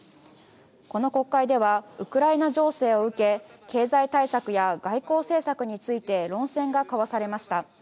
この国会ではウクライナ情勢を受け経済対策や外交政策について論戦が交わされました。